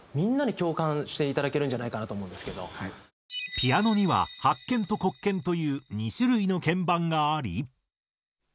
ピアノには白鍵と黒鍵という２種類の鍵盤があり。